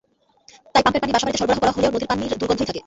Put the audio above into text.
তাই পাম্পের পানি বাসাবাড়িতে সরবরাহ করা হলেও নদীর পানির দুর্গন্ধই থাকে।